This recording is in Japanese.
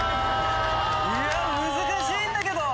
難しいんだけど！